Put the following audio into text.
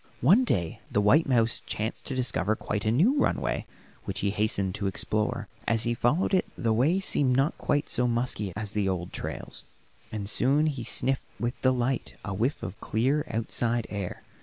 One day the white mouse chanced to discover quite a new runway which he hastened to explore. As he followed it the way seemed not quite so musky as the old trails, and soon he sniffed with delight a whiff of clear, outside air.